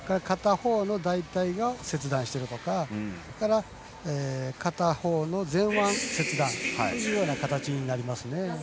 片方の大たいを切断しているとかそれから片方の前腕切断のような形になります。